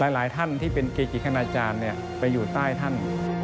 หลายท่านที่เป็นเกจิคณาจารย์ไปอยู่ใต้ท่าน